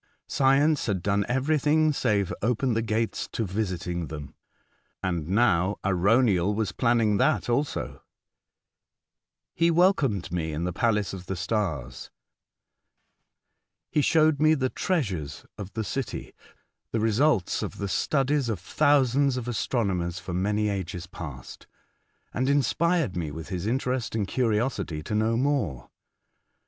Science had done every thing, save open the gates to visiting them. And now Arauniel was planning that also. 94 A Voyage to Other Woidds. He welcomed me in tlie Palace of tlie Stars. He showed me the treasures of the city — the results of the studies of thousands of astro nomers for many ages past, and inspired me with his interest and curiosity to know more.